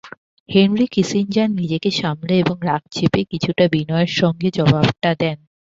Henry Kissinger নিজেকে সামলে এবং রাগ চেপে কিছুটা বিনয়ের সঙ্গে জবাবটা দেন।